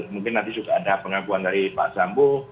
mungkin nanti juga ada pengakuan dari pak sambu